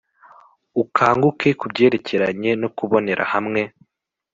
ukanguke ku byerekeranye no kubonera hamwe